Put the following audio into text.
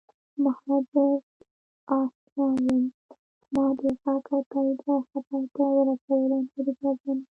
مهاجراشنا یم ما د غږ او تایید برخه پای ته ورسوله نور اجازه نه